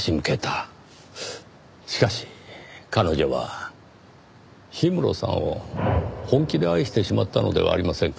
しかし彼女は氷室さんを本気で愛してしまったのではありませんか？